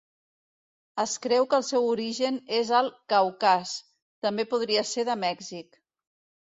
Es creu que el seu origen és al Caucas, també podria ser de Mèxic.